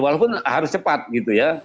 walaupun harus cepat gitu ya